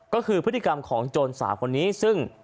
ก็คือพฤติกรรมของโจรสาวคนนี้ซึ่ง